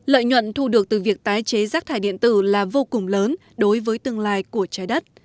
lợi nhuận thu được từ việc tái chế rác thải điện tử là vô cùng lớn đối với tương lai của trái đất